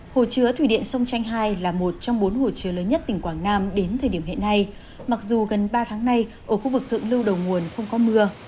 hồ chứa thủy điện sông chanh hai là một trong bốn hồ chứa lớn nhất tỉnh quảng nam đến thời điểm hiện nay mặc dù gần ba tháng nay ở khu vực thượng lưu đầu nguồn không có mưa